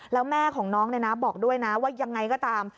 แล้วแม่ของน้องบอกด้วยนะว่ายังไงก็ตาม